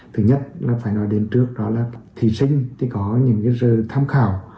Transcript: thứ nhất là phải nói đến trước đó là thí sinh có những giờ thám khảo